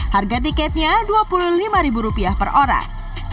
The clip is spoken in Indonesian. harga tiketnya rp dua puluh lima per orang